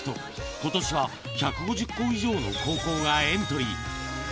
ことしは１５０校以上の高校がエントリー。